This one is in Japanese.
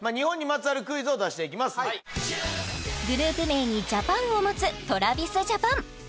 グループ名にジャパンを持つＴｒａｖｉｓＪａｐａｎ